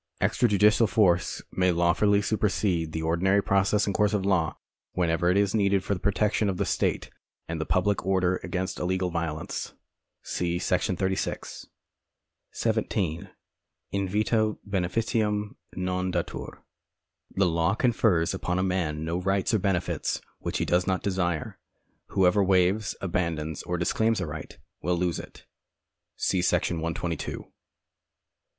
Extrajudicial force may law fully su[)ersede the ordinary process and course of law, whenever it is needed for the protection of the state and the public order against illegal violence. See § 36. 17. Invito beneficium non datur. D. 50. 17. 69. The law confers upon a man no rights or benefits which he does not desire. Whoever waives, abandons, or disclaims a right will lose it. See § 122.